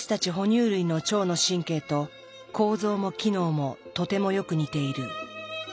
哺乳類の腸の神経と構造も機能もとてもよく似ている。